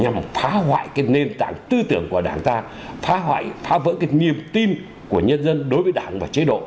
nhằm phá hoại cái nền tảng tư tưởng của đảng ta phá hoại phá vỡ cái niềm tin của nhân dân đối với đảng và chế độ